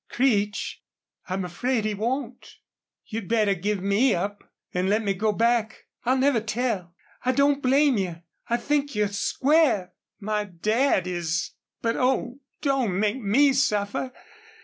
"Creech, I'm afraid he won't. You'd better give me up. Let me go back. I'll never tell. I don't blame you. I think you're square. My dad is.... But, oh, don't make ME suffer!